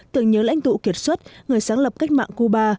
tưởng nhớ lãnh tụ kiệt xuất người sáng lập cách mạng cuba